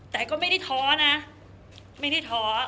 แต่ก็ไม่ได้ท้อนะไม่ได้ท้อ